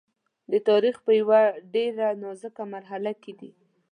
د تاریخ په یوه ډېره نازکه مرحله کې دی.